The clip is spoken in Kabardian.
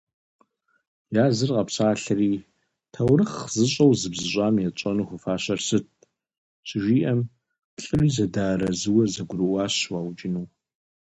Языр къэпсалъэри «таурыхъ зыщӏэу зыбзыщӏам етщӏэну хуэфащэр сыт?»- щыжиӏэм, плӏыри зэдэарэзыуэ зэгурыӏуащ уаукӏыну.